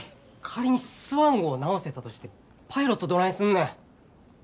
仮にスワン号を直せたとしてパイロットどないすんねん。